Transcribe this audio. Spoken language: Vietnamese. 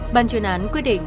ban chuyên án quyết định